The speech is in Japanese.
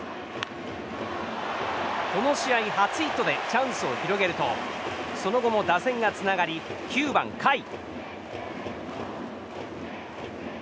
この試合初ヒットでチャンスを広げるとその後も打線がつながり９番、甲斐。